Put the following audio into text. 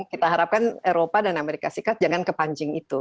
kita harapkan eropa dan amerika serikat jangan kepancing itu